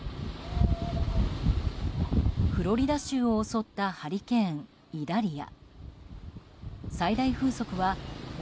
フロリダ州を襲ったハリケーンイダリア。